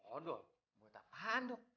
oh dok ini apaan dok